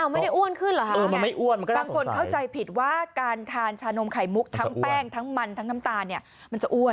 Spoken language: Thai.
ไม่ได้อ้วนขึ้นเหรอคะบางคนเข้าใจผิดว่าการทานชานมไข่มุกทั้งแป้งทั้งมันทั้งน้ำตาลเนี่ยมันจะอ้วน